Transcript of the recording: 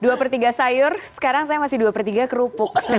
dua per tiga sayur sekarang saya masih dua per tiga kerupuk